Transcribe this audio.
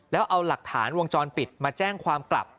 แล้วเอาหลักฐานวงจรปิดมาแจ้งความกลับ